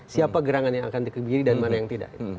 siapa gerangan yang akan dikebiri dan mana yang tidak